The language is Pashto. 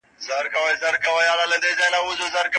هغوی د ډيپلوماټيکو اړيکو د ټينګولو لپاره هڅه کوله.